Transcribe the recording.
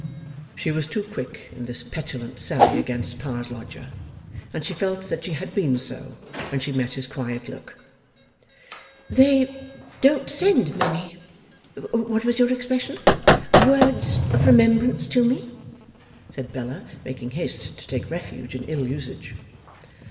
She was too quick in this petulant sally against 'Pa's lodger'; and she felt that she had been so when she met his quiet look. 'They don't send many what was your expression? words of remembrance to me,' said Bella, making haste to take refuge in ill usage.